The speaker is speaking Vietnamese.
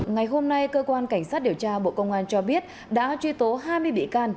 ngày hôm nay cơ quan cảnh sát điều tra bộ công an cho biết đã truy tố hai mươi bị can